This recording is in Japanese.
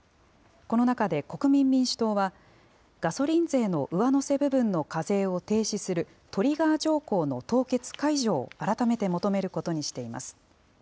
この中で国民民主党は、ガソリン税の上乗せ部分の課税を停止するトリガー条項の凍結解除を改めて求めることにしています。